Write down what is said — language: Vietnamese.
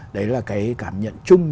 đấy là cái cảm nhận chung